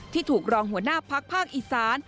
ถูกรองหัวหน้าพักภาคอีสาน